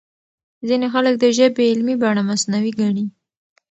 ځينې خلک د ژبې علمي بڼه مصنوعي ګڼي.